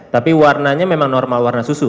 tapi warnanya memang normal warna susu